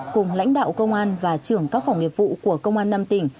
cùng lãnh đạo công an và trưởng các phòng nghiệp vụ của công an năm tỉnh